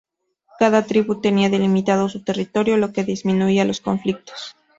Cada tribu tenía delimitado su territorio, lo que disminuía los conflictos.